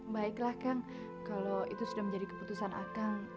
baiklah kang kalau itu sudah menjadi keputusan akang